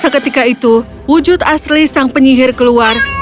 seketika itu wujud asli sang penyihir keluar